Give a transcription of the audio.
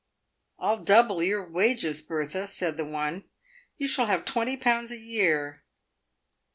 " I'll double your wages, Bertha," said the one. " You shall have twenty pounds a year."